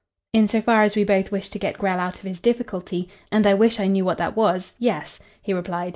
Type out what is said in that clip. "In so far as we both wish to get Grell out of his difficulty and I wish I knew what that was yes," he replied.